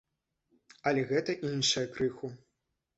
Але гэта іншае крыху.